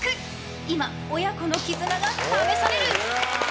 今、親子の絆が試される。